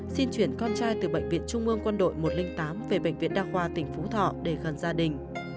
xin chuyển con trai từ bệnh viện trung ương quân đội một trăm linh tám về bệnh viện đa khoa tỉnh phú thọ để gần gia đình